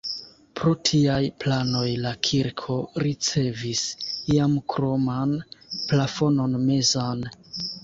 Pro tiaj planoj la kirko ricevis iam kroman plafonon mezan.